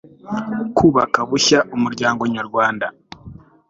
kubaka bushya umuryango nyarwanda